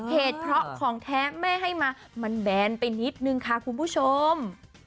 เหตุเพราะของแท้แม่ให้มามันแบนไปนิดนึงค่ะคุณผู้ชม